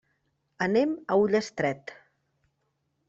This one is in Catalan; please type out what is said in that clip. Anem a Ullastret.